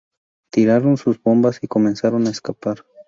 Tiraron sus bombas y comenzaron a escapar.